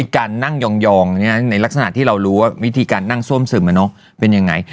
การนั่งยองในลักษณะที่เรารู้ว่าวิธีการนั่งซ่วมซึมเป็นยังไง